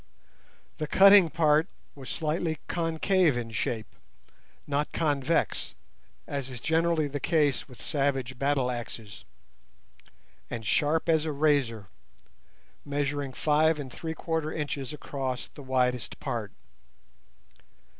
The cutting part was slightly concave in shape—not convex, as is generally the case with savage battle axes—and sharp as a razor, measuring five and three quarter inches across the widest part.